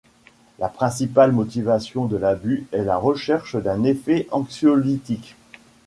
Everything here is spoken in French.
La principale motivation de l'abus est la recherche d'un effet anxiolytique.